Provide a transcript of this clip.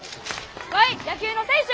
ワイ野球の選手！